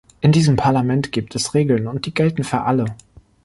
In diesem Parlament gibt es Regeln, und die gelten für alle.